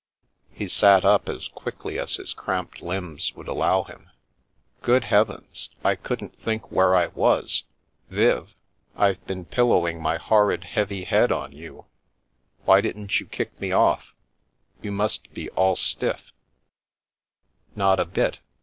He sat up as quickly as his cramped limbs would allow him. " Good Heavens ! I couldn't think where I was. Viv — Fve been pillowing my horrid heavy head on you — why didn't you kick me off? You must be all stiff "" Not a bit